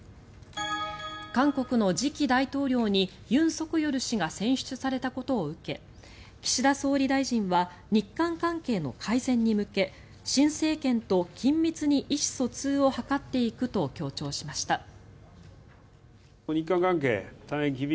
韓国の次期大統領にユン・ソクヨル氏が選出されたことを受け岸田総理大臣は日韓関係の改善に向け新政権と緊密に意思疎通を図っていくと強調しました。